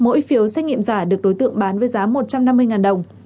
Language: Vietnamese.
mỗi phiếu xét nghiệm giả được đối tượng bán với giá một trăm năm mươi đồng